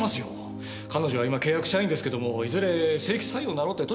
彼女は今契約社員ですけどもいずれ正規採用になろうって。